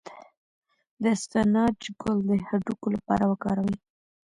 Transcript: د اسفناج ګل د هډوکو لپاره وکاروئ